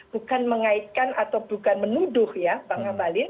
bukan mengaitkan atau bukan menuduh ya bang ngabalin